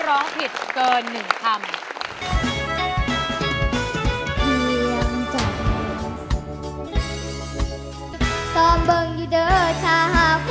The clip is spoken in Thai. ร้องผิดเกิน๑คำ